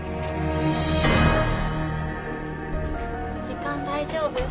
時間大丈夫？